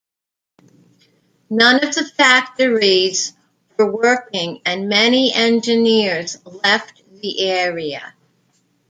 None of the factories were working and many engineers left the area.